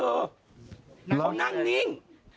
เขานั่งนิ่ง